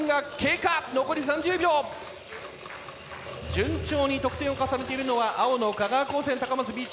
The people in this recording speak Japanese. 順調に得点を重ねているのは青の香川高専高松Ｂチーム。